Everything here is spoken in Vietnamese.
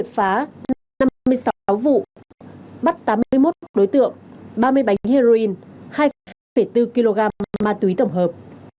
phát năm mươi sáu vụ bắt tám mươi một đối tượng ba mươi bánh heroin hai bốn kg ma túy tổng hợp